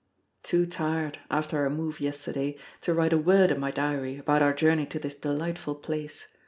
_ Too tired, after our move yesterday, to write a word in my diary about our journey to this delightful place.